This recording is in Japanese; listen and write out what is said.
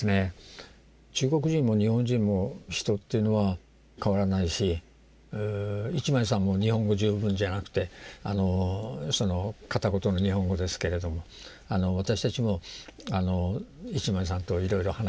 中国人も日本人も人というのは変わらないし一枚さんも日本語十分じゃなくて片言の日本語ですけれども私たちも一枚さんといろいろ話をして。